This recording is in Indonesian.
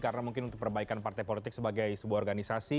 karena mungkin untuk perbaikan partai politik sebagai sebuah organisasi